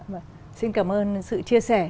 vâng xin cảm ơn sự chia sẻ